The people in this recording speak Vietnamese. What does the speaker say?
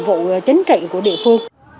vụ chính trị của địa phương